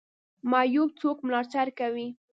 معیوب څوک ملاتړ کوي؟